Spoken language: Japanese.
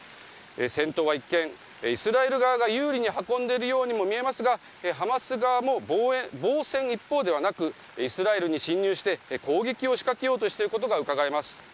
戦闘は一見、イスラエル側が有利に運んでいるように見えますがハマス側も防戦一方ではなくイスラエルに侵入して攻撃を仕掛けようとしていることが分かります。